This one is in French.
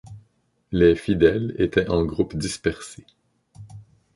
Les fidèles étaient en groupes dispersés.